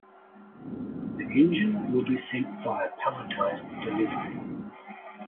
The engine will be sent via palletized delivery.